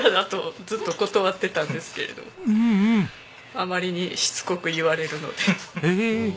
あまりにしつこく言われるので。